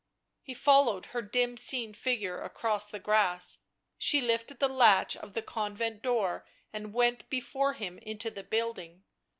.. He followed her dim seen figure across the grass; she lifted the latch of the convent door and went before him into the building.